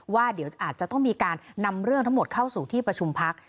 ว่าเดี๋ยวอาจจะต้องมีการนำเรื่องทั้งหมดเข้าสู่ที่ประชุมพัก